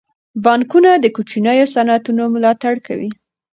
بانکونه د کوچنیو صنعتونو ملاتړ کوي.